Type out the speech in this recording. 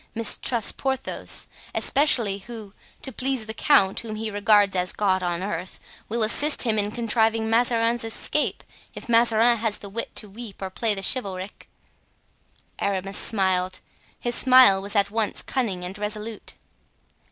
Mistrust Porthos, especially, who, to please the count whom he regards as God on earth, will assist him in contriving Mazarin's escape, if Mazarin has the wit to weep or play the chivalric." Aramis smiled; his smile was at once cunning and resolute.